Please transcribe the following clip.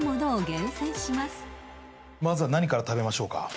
まずは何から食べましょうか？